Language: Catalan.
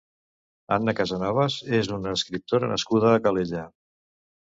Anna Casanovas és una escriptora nascuda a Calella.